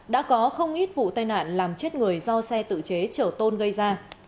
đã có không ít vụ tai nạn làm chết người do xe tự chế chở tôn gây ra